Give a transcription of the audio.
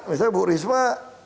misalnya bu risma